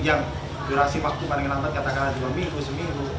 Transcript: yang durasi waktu paling lambat katakanlah dua minggu seminggu